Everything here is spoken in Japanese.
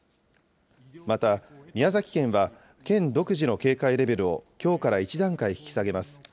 また、宮崎県は県独自の警戒レベルを、きょうから１段階引き下げます。